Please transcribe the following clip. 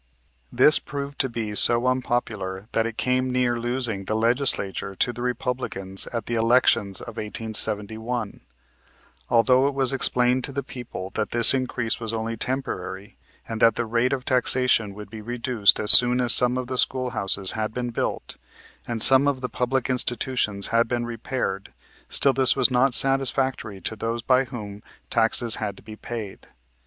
This proved to be so unpopular that it came near losing the Legislature to the Republicans at the elections of 1871. Although it was explained to the people that this increase was only temporary and that the rate of taxation would be reduced as soon as some of the schoolhouses had been built, and some of the public institutions had been repaired, still this was not satisfactory to those by whom these taxes had to be paid.